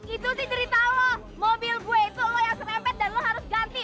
itu sih cerita lo mobil gue itu lo yang serempet dan lo harus ganti